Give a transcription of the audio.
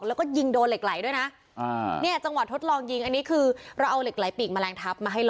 แล้วก็ยิงโดนเหล็กไหลด้วยนะเนี่ยจังหวะทดลองยิงอันนี้คือเราเอาเหล็กไหลปีกแมลงทับมาให้ล้อ